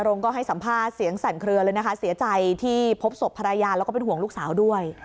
ก็ให้สัมภาษณ์เสียงสั่นเคลือเลยนะคะเสียใจที่พบศพภรรยาแล้วก็เป็นห่วงลูกสาวด้วย